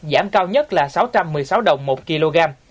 giảm cao nhất là sáu trăm một mươi sáu đồng một kg